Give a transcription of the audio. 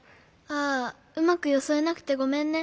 ああうまくよそえなくてごめんね。